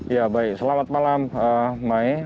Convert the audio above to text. ya baik selamat malam mai